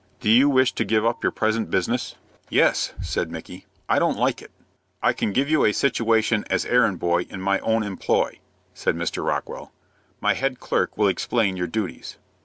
Do you wish to give up your present business?" "Yes," said Micky, "I don't like it." "I can give you a situation as errand boy in my own employ," said Mr. Rockwell. "My head clerk will explain your duties."